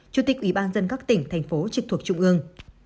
chủ tịch ủy ban dân các tỉnh thành phố trực thuộc trung ương